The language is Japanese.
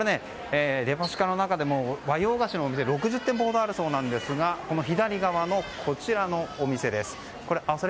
デパ地下の中でも和洋菓子のお店６０店舗ほどあるそうですが左側のこちらのお店です。